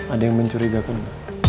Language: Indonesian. ada yang mencurigakan